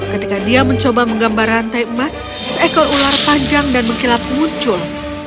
ketika dia mencoba menggambar rantai emas seekor ular panjang dan mengkilap muncul